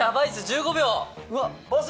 １５秒！